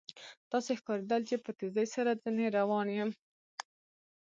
داسې ښکارېدل چې په تېزۍ سره ځنې روان یم.